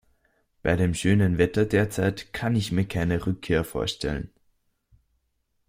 Bei dem schönen Wetter derzeit kann ich mir keine Rückkehr vorstellen.